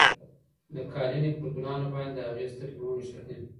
د قالینې پر ګلانو باندې د هغې سترګې ونښتې.